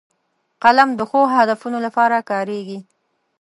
قلم د ښو هدفونو لپاره کارېږي